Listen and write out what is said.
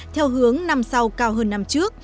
theo hướng năm sau cao hơn năm trước